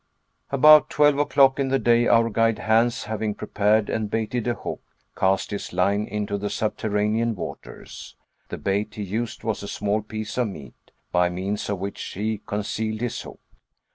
About twelve o'clock in the day our guide Hans having prepared and baited a hook, cast his line into the subterranean waters. The bait he used was a small piece of meat, by means of which he concealed his hook.